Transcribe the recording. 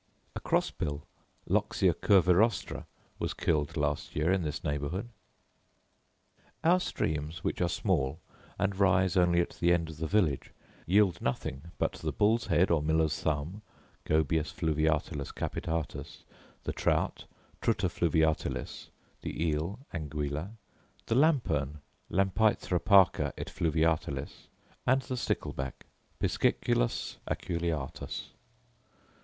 A cross bill (loxia curvirostra) was killed last year in this neighbourhood. Our streams, which are small, and rise only at the end of the village, yield nothing but the bull's head or miller's thumb (gobius fluviatilis capitatus), the trout (trutta fluviatilis), the eel (anguilla), the lampern (lampaetra parka et fluviatilis), and the stickle back (pisciculus aculeatus).